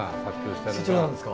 そちらなんですか？